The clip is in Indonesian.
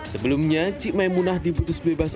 sebelumnya cik maimunah diputus bebas